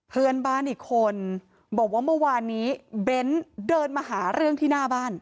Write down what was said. เพื่อนบ้านอีกคนบอกว่าเมื่อวานนี้เบ้นเดินมาหาเรื่องที่หน้าบ้าน